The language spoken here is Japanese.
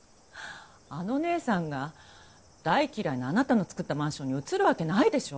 あの姉さんが大嫌いなあなたの造ったマンションに移るわけないでしょ？